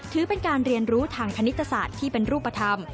ถือเป็นการเรียนรู้ทางคณิตศาสตร์ที่เป็นรูปธรรม